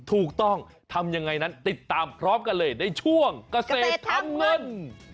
ถูกต้องทำยังไงนั้นติดตามพร้อมกันเลยในช่วงเกษตรทำเงิน